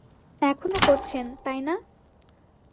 এখনো করছেন, তাই না?